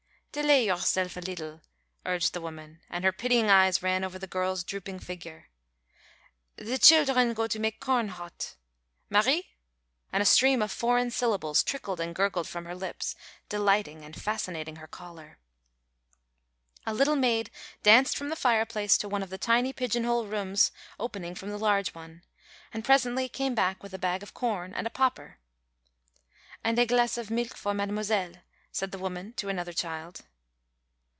"Delay youself yet a leetle," urged the woman, and her pitying eyes ran over the girl's drooping figure. "The children go to make corn hot. Marie " and a stream of foreign syllables trickled and gurgled from her lips, delighting and fascinating her caller. A little maid danced from the fireplace to one of the tiny pigeon hole rooms opening from the large one, and presently came back with a bag of corn and a popper. "And a glass of milk for mademoiselle," said the woman to another child.